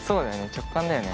直感だよね